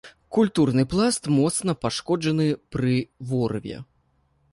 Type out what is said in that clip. Культурны пласт моцна пашкоджаны пры ворыве.